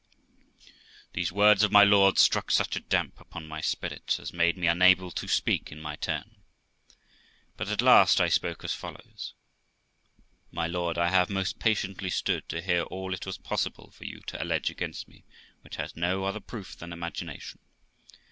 These words of my lord's struck such a damp upon my spirits, as made me unable to speak in my turn. But at last, I spoke as follows: 'My lord, I have most patiently stood to hear all it was possible for you to allege against me, which has no other proof than imagination.